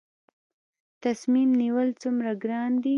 تصمیم نیول څومره ګران دي؟